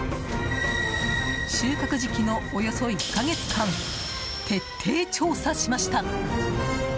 収穫時期のおよそ１か月間徹底調査しました。